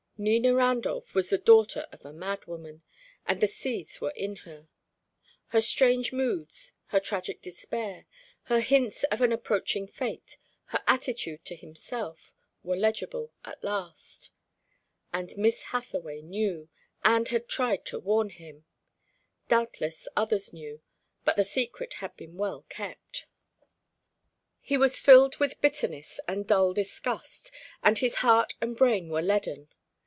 Nina Randolph was the daughter of a madwoman, and the seeds were in her. Her strange moods, her tragic despair, her hints of an approaching fate, her attitude to himself, were legible at last. And Miss Hathaway knew, and had tried to warn him. Doubtless others knew, but the secret had been well kept. He was filled with bitterness and dull disgust, and his heart and brain were leaden.